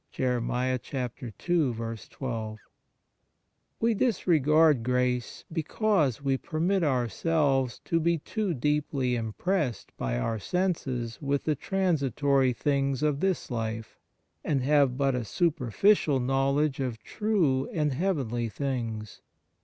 2 We disregard grace because we permit ourselves to be too deeply impressed by our senses with the transitory things of this life, and have but a superficial know ledge of true and heavenly things.